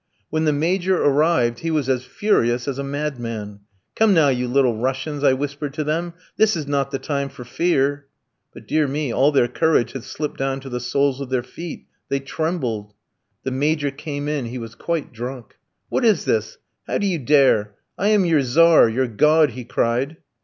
When the Major arrived, he was as furious as a madman. 'Come now, you Little Russians,' I whispered to them, 'this is not the time for fear.' But, dear me, all their courage had slipped down to the soles of their feet, they trembled! The Major came in, he was quite drunk. "'What is this, how do you dare? I am your Tzar, your God,' he cried.